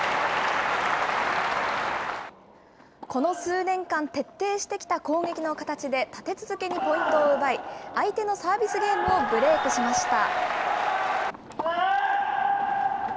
この数年間、徹底してきた攻撃の形で、立て続けにポイントを奪い、相手のサービスゲームをブレークしました。